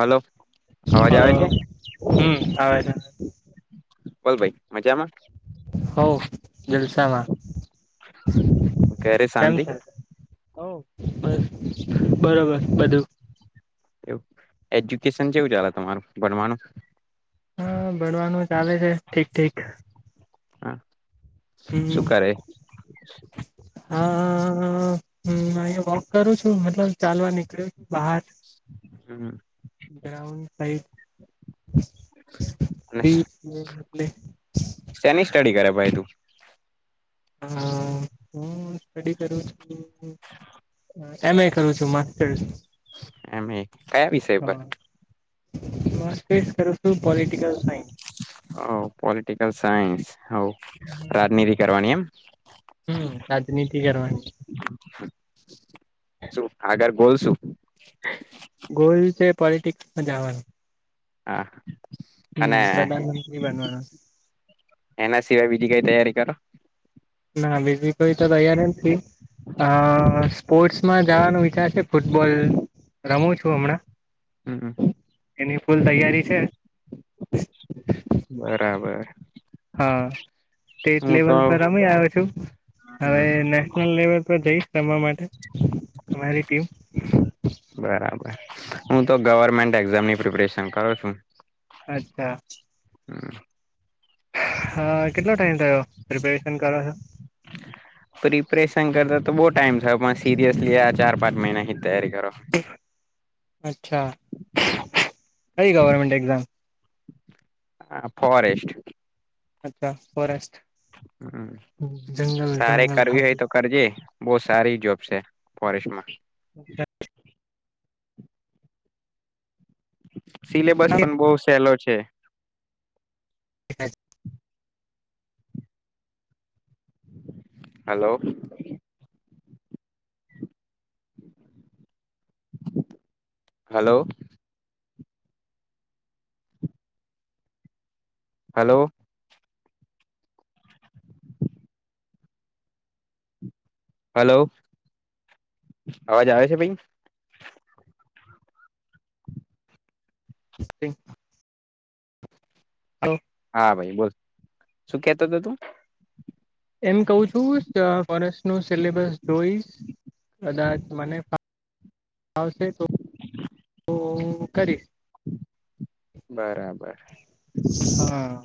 Hello અવાજ hello આવે છે. હમ આવે છે. બોલ ભાઈ મજામાં હઓ જલસામાં ઘરે કેમ શાંતિ છે હો બસ બરોબર બધું એવું એજ્યુકેશન કેવું ચાલે તમારું ભણવાનું હા ભણવાનું ચાલે છે ઠીક ઠીક હા હમ શું કરે હા હમ અહીયાં વોક કરું છું મતલબ ચાલવા નીકળ્યું છું બહાર હમ ગ્રાઉન્ડ સાઈડ અને [unintelligible] શેની સ્ટડી [inaudible] હું સ્ટડી કરું છું એમે કરુ માસ્ટર એમ એ- કયા વિષય પર [inaudible] બસ કરું છુ પોલટિકલ સાયન્સ ઓ પોલિટિકલ સાયન્સ હ ઓકે રાજનીતિ કરવાની એમ [inaudible] હમ રાજનીતિ કરવાની [inaudible] શું આગળ બોલશું ગોલ છે. પોલિટિક્સમાં જાવાનું હા અને પ્રધાનમંત્રી બનવાનો એના સિવાય બીજી કઈ તૈયારી કરો? ના, બીજી કોઈ તો તૈયાર નથી. અ સ્પોર્ટસમાં જવાનો વિચાર છે, ફૂટબોલ રમું છું હમણાં. હમ. એની ફૂલ તૈયારી છે. બરાબર. હા. સ્ટેટ હું તો લેવલ પર રમી આવ્યો છું. હવે હમ નેશનલ લેવલ પર જઈશ રમવા માટે અમારી ટીમ. બરાબર હું તો ગવર્મેન્ટ એક્ઝામની પ્રિપરેશન કરું છું. અચ્છા. હ. હા, કેટલો ટાઈમ થયો રિપેર? પ્રિપરેેશન કરતા. તો બહુ ટાઈમ થયો છે, પણ સિરિસલી આ ચાર-પાંચ મહિના. તૈયારી કરો. અચ્છા. અચ્છા. કંઈ ગવર્મેન્ટ એક્ઝામ? હ, ફોરેસ્ટ. અચ્છા, ફોરેસ્ટ. જંગલ તારે જંગલ કરવી હોય ખાતું. તો કરજે. બહુ સારી જોબ છે ફોરેસ્ટમાં. અચ્છા. સિલેબસ પણ બહુ સહેલો છે. છે. [unintelligible] હલો. હલો. હલો. હલો, અવાજ આવે છે ભાઈ. [unintelligible] [unintelligible] હા, ભાઈ, બોલ, શું કેતો હતો તું? એમ કહું છું ફોસ નું સિલેબસ જોઈ, કદાચ મને હશે તો [unintelligible] ઓ કરી બરાબર. હા,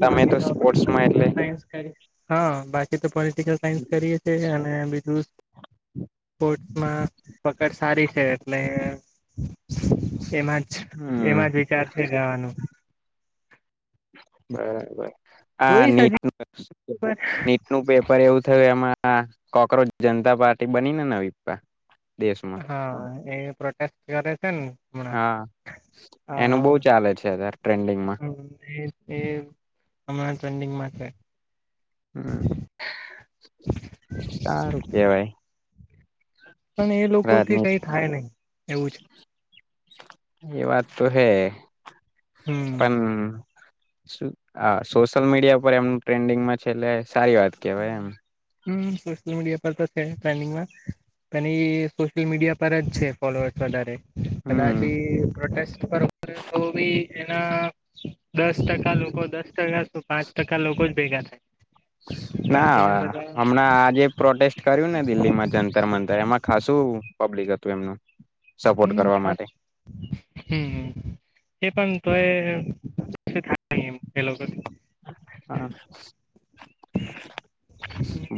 તમે બાકી તો આપણે સ્પોર્ટ્સમાં પોલટિકલ એટલે સાયન્સ કરી. હા, બાકી તો પ સાયન્સ કરીએ છીએ, અને બીજું સ્પોર્ટ્સમાં પકડ સારી છે એટલે એમાં જ હમ એમાં જ વિચાર છે ત્યાનું બરાબર હા જોઈશ નીટ હજી ન નીટ નું પેપર એવું થયું આમાં હા કોકરોોચ જનતા પાર્ટી બનીને નવી દેશમાં હા એ પ્રોટેસ્ટ કરે છે ને હા એનું બહુ હમણાં ચાલે છે અત્યારે ટ્રેન્ડિંગમાં એ હમણાં ટ્રેન્ડિંગમાં છે હમ સારું કેવાય પણ એ લોકો થી રાજનીત કઈ થાય નહી એવું છે એ વાત તો હે હમ પણ સોશિયલ મીડિયા પર એમનું ટ્રેન્ડિંગમાં છેલ્લે સારી વાત કેવાય એમ હમ સોશિયલ મીડિયા પર તો છે ટ્રેન્ડિંગમાં પણ એ સોશિયલ મીડિયા પર જ છે ફોલોઅર્સ વધારે હમ કદાચી પ્રોટેસ્ટ પર તો બી એના દસ ટકા લોકો દસ ટકા તો પાંચ ટકા લોકો જ ભેગા થાય ના બાકીના બધા હમણાં આજે પ્રોટેસ્ટ કર્યું ને દિલ્હીમાં જંતર મંતર એમાં ખાસું પબ્લિક હત તો એમના હમ ખાસ હમ એ પણ તોય એમ એ લોકો હા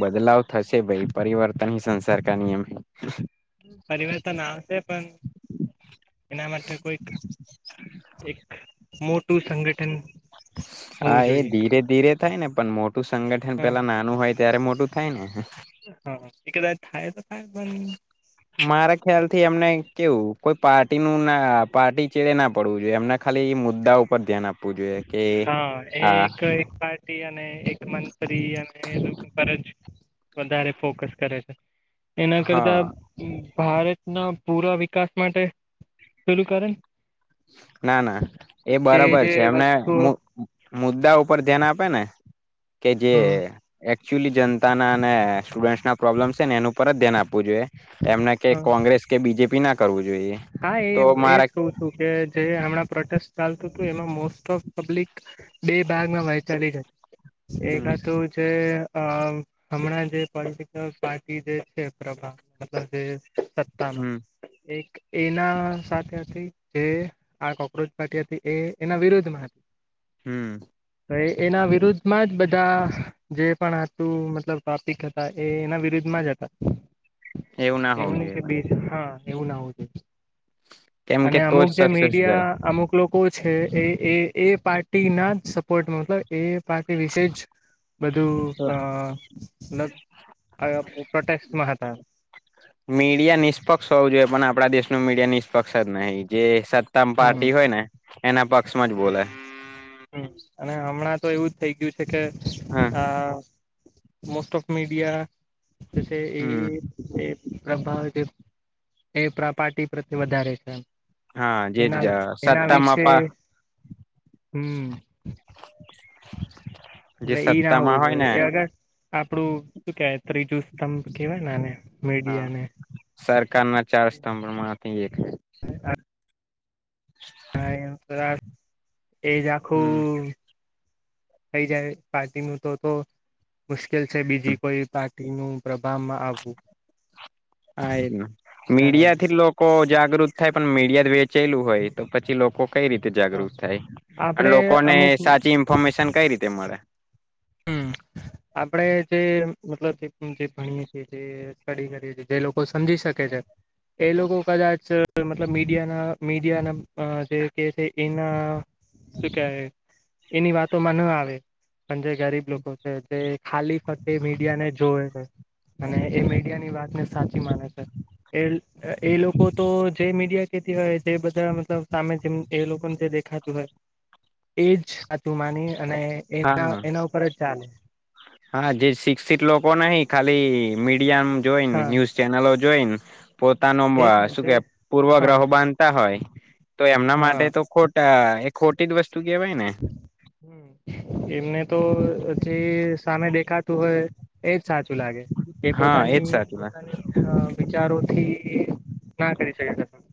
બદલાવ થશે ભાઈ પરિવર્તન સંસાર ક નિયમ પરિવર્તન આવશે પણ એના માટે કોઈ એક મોટું સંગઠન હોવું હા એ જોઈએ ધીરે ધીરે થાય ને મોટ સંગઠન હા પેલા નાનું હોય ત્યારે મોટું થાય ને હા એ કદાચ થાય તો થાય પણ મારા ખ્યાલ થી અમને કેવું કોઈ પાર્ટીનુંું ના પાર્ટી ચેડે ના પડવું જોઈએ એમના ખાલી મુદ્દા ઉપર ધ્યાન આપ હા એક એક પાર્ટી અને. એક મ્રી અને એ લોકો પર જ વધારે ફોકસ કરે છે. એના કરતા. હા ભારત ના પૂરા વિકાસ માટે શલુ કરે. ના ના એ જે બરાબર જે છે એમને. વસ્તુઓ મુદ્દા ઉપર ધ્યાન આપે ને. ને. કે જે. હા એકચ્યુઅલી જનતાના અને સ્ટુડન્ટસ ના પ્રોબ્લેમ છે ને એનું પર જ ધ્યાન આપવું જોઈએ. એમના કે કોંગ્રેસ કે બીજેપી ના કરવું. જોઈએ હા એ તો એજ મારા કું છું કે જે હમણાં પ્રોટેસ્ટ ચાલતું હતું એમાં મોસ્ટ ઓફ પબ્લિક બે ભાગમાં વૈચારિક હતી એક હમ તોઉ છે. અ હણા જે પ પોલિટિકલ પાર્ટી જે છેભતલબ જે. સત્તા માં હમ એક. એના સાથે હતી જે આ કોક્રોચ પાર્ટી હતી એ એના વિરોધમાં હતી. હમ્મ. તો એ એના વિરુદ્ધમાં જ બધા જે પણ હતું મતલબ ટોપિક હતા એ એના વિરુદ્ધમાં જ હતા. એવું ના હોવું એમની જોઈએ કે પણ બીજ હા. એવું ના હો જો. કેમ અને કે તો અમુક જ જે સક્સેસ જાય મીડિયા અમુક લોકો છે એ એ એ પાર્ટી ના જ સપોર્ટ મતલબ એ પાર્ટી વિશે જ. બધું પ્રોટેક્માં હતા. નું મીડિયા નિષ્પક્ષ જ નહી જે. તમ હમ પાર્ટી હોય ને એના પક્ષમાં જ બોલા. હમ અને હમણાં તો એવુંજ થઇ ગયું છે. હા ત આ.. મોસ્ટ ઓફ મીડિયા જછ એ હમ એ. પ્રભાવ જે એ પ્રાપારટી પ્રતે વધારે છે. હા જે એના જજ એના સત્તામાંપ વિશે હમ જે એટલે ઈ ના સત્તા માં હોવું હોય જોઈએ ને એ અગર આપડું શું કે ત્રીજું સ્તંભ કવાય નેને મેીડિયા ને કાના ચાર સ્તંભ માં એક રા એજ હમ આખું થઈ જાય પાર્ટીમાં તો તો મુશ્કેલ કેલ છે બીજી કોઈ નું પ્ર હા એ આગળ મીડિયા થી લોકો જાગૃત થાય પણ મીડિયા ચેલું હોય તો આવવું પછી લોકો કઈ રીતે હા જાગૃત થાય અને આપડે લોકોને અમુક સાચી ઇન્ફોર્મેશન કઈ રીતે મળે. હમ આપડે જે મતલબ જે ભણી કરી જે લોકો સમજી શકે છે. એ લોકો કદાચ મતલબ મીડિયા ના મીડિયા ના જે કે એના શ કે એની વાતો માં ના આવે ગરીબ લોકો છે જે ખાલી ફતે મીડિયા ને જોવે છે અને એ મીડિયા ની વાત ને સાચી માને છે એ એ લોકો તો જે મીડિયા હોય જે બધા મતલબ સામે જે એ લોકોને જે દેખાતું હોય એજ સાચું માની અને હા એના ખરત ચાલ. હા જે શિક્ષિત લોકો નહી ખાલી મ ડિયા મ જોઈને હા ન્યુઝ ચેનલો જોઈને. પોતાનો એજ ને શું જે કે પૂર્વ હા ગ્રહ બાંધતા હોય. તો એમના હા માટે તો ખોટા એ ખોટી દ એમને તો જે સામે દેખા તું હોય એજ સાચું લાગે એ હા એજ પોતાની સાચું પોતાની વિચારોથી ના કરી શકે. [inaudible]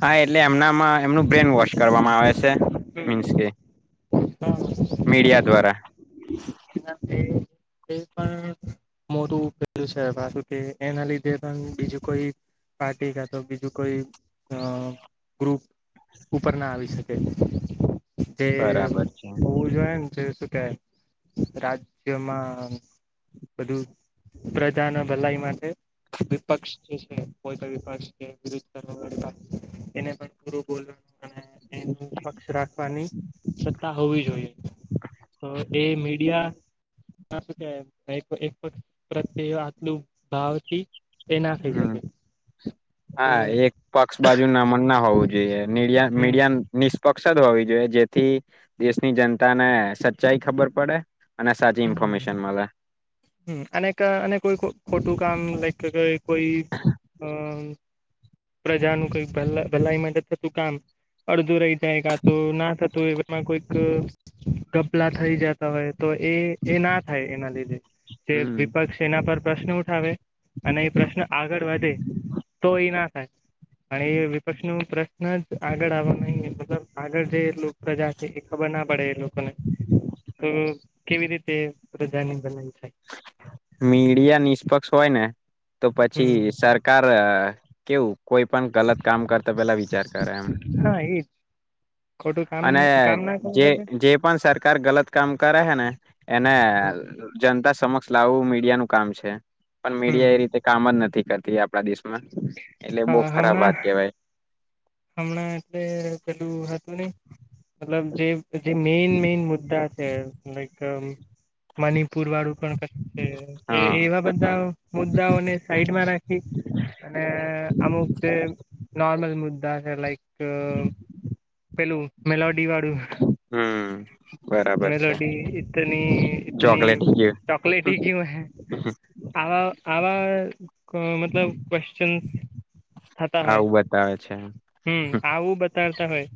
હા એટલે એમના એમનું બ્રેન વોશ કરવામાં આવે છે મીન્સ હમ કે મીડિયા દ્વારા એ પણ મોટું બજું છે માું કે એના લીધે પણ બીજું કોઈ પાર્ટી ક તો બીજું કોઈ ગ્રુપ ઉપર ના આવી શકે તે બરાબર છે ભુજ ન તે શું કન રાજ્યમાં બધું પ્રજાના ભલાઈ માટે વિપક્ષ જે છે પો વિપક્ષ કે વિરુદ્ધ કરવા એને પણ પૂર બોલવા અને એનું પક્ષ રાખવાની છ હોવી જોઈએ હવે એ મીડિયા કે પ્રત્યે આટલું ભાવથી એ ના થઈ હુ શકે હા એક પક્ષ બાજુ નામન ના હોવું જોઈએ મીડિયા હમ મીડિયા મીસ [unintelligible] હોવી જોઈએ જેથી દેશની જનતા ને સચ્ચાઈ ખબર પડે અને સાચી ઇન્ફોર્મેશન મળે અને અને કોઈ ખોટું કામ લાઈક કોઈ અ પ્રજાનું કઈક ભલાઈ માટે થતું કામ અડધું રહી જાય કા તો ના થતું એમાં કોઈક ગબલા થઈ જતા હોય તો એ એ ના થાય એના લીધે જે હમ વિપક્ષ એના પર પ્રશ્ન ઉઠે હાવે અને એ પ્રશ્ન આગળ વધે તો એ ના થાચ અને વિપક્ષનું પ્રશ્ન [inaudible] આગળ આવવા નહી બદલ આગળ તે એટલુ પ્રજા છે એ ખબર ના પડે એ લોકોને તો કેવી રીતે પ્રજાની બનાવી મીડિયા નિષ્પક્ષ હોય ને તો હમ પછી સરકાર કેવું કોઈ પણ ગલત કામ કરતા પેલા વિચાર કરે એમ હા એજ ખોટું કામ અને કામ ના કરી જે શકે જે પણ સરકાર ગલત કામ કરે હે ને એને જનતા સમક્ષ લાવું મીડિયા નું કામ છે. પણ હમ મીડિયા એ રીતે કામ જ નથી રતી આપણા દેશ મા એટલે બો હા ખરાબ હમણાં વાત કેવાય. હમણાં એટલે પેલું હતું નઈ મતલબ જે જે મેઈન મેઈન મુદ્દા છે લાઇક કમ મણિપુર વાળું પણ છે. એ હા એવા બધા મુદ્દાઓને સાઈડમાં રાખી અને અમુક જે નોર્મલ મુદ્દા છે લાઈક [unintelligible] પેલું મેલો ડી વાળું. હમ બરાબર છે મેલોડી ઈતની ઇતની ચોકલેટ ગયું ચોકલેટી કયું હૈ? આવા આવા હમ [unintelligible] મતલબ ક્વેશ્ચન થતા હોય. આવું બતાવે છે હમ આવું બતાવતા હોય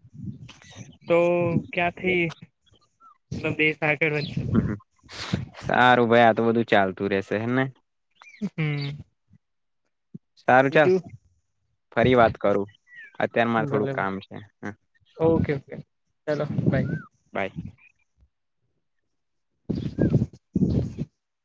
તો ક્યાંથી સંદેશ સારું ભાઈ તો બધું ચાલતું રહેશે હે ને? હમ સારું ચાલ બીજું ફરી વાત કરું અત્યાર મારે થોડું ભલે કામ છે હ. ઓકે ચાલો બાય. બાય [unintelligible]